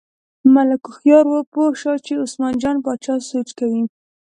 ملک هوښیار و، پوه شو چې عثمان جان باچا سوچ کوي.